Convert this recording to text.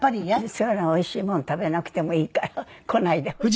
そういうのはおいしいもの食べなくてもいいから来ないでほしい。